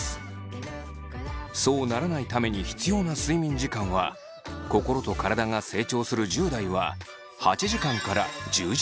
そうならないために必要な睡眠時間は心と体が成長する１０代は８時間から１０時間ほど。